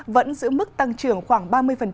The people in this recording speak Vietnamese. vẫn giữ mức tăng trưởng khoảng ba mươi